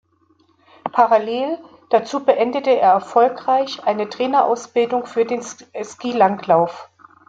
Parallel dazu beendete er erfolgreich eine Trainerausbildung für den Skilanglauf.